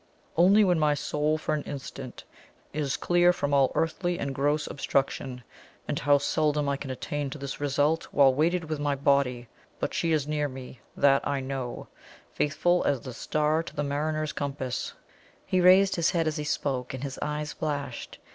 Only when my soul for an instant is clear from all earthly and gross obstruction; and how seldom I can attain to this result while weighted with my body! But she is near me that I know faithful as the star to the mariner's compass!" He raised his head as he spoke, and his eyes flashed.